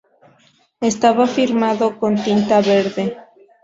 Estaba firmado con tinta verde.